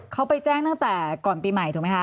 เขาไปแจ้งตั้งแต่ก่อนปีใหม่ถูกไหมคะ